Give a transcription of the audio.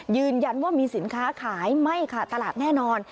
ยืนยันว่ามีสินค้าขายไม่ขาดตลาดแน่นอน